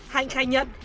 hạnh khai nhận